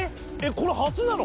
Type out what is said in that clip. これ初なの？」